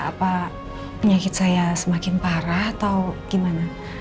apa penyakit saya semakin parah atau gimana